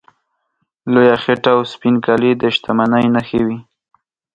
لویه خېټه او سپین کالي د شتمنۍ نښې وې.